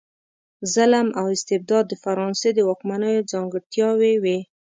ظلم او استبداد د فرانسې د واکمنیو ځانګړتیاوې وې.